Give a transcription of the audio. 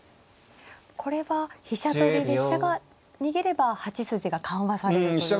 これは飛車取りで飛車が逃げれば８筋が緩和されるという形ですね。